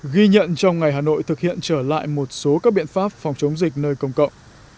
ghi nhận trong ngày hà nội thực hiện trở lại một số các biện pháp phòng chống dịch nơi công cộng